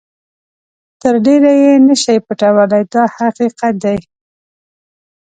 تر ډېره یې نه شئ پټولای دا حقیقت دی.